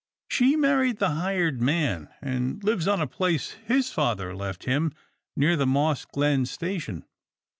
"" She married the hired man, and lives on a place his father left him near the Moss Glen station."